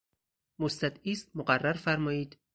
مستدعی است مقرر فرمائید!